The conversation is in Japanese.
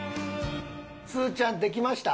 すずちゃんできました？